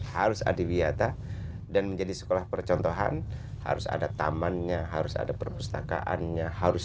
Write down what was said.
harus adiwiata dan menjadi sekolah percontohan harus ada tamannya harus ada perpustakaannya harus